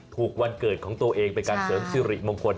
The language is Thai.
วันเกิดของตัวเองเป็นการเสริมสิริมงคล